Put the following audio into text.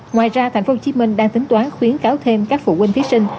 ngoài ra tp hcm đang tính toán khuyến cáo thêm các phụ huynh thí sinh